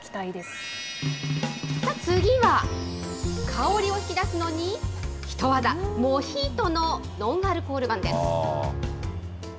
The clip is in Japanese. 次は、香りを引き出すのにひとわざ、モヒートのノンアルコール版です。